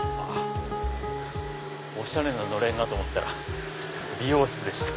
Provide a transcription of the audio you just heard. おしゃれなのれんだと思ったら美容室でした。